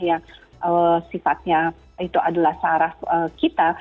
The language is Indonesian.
yang sifatnya itu adalah saraf kita